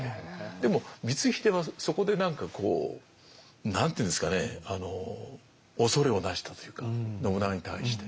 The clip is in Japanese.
でも光秀はそこで何かこう何ていうんですかね恐れをなしたというか信長に対して。